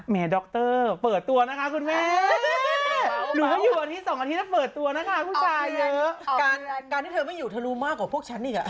การที่เธอไม่อยู่เธอรู้มากกว่าพวกฉันอีกอะ